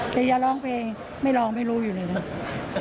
แต่อย่าร้องเพลงไม่ร้องไม่รู้อยู่เลยนะ